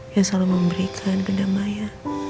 yang selalu memberikan kejamaya